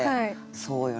そうよね。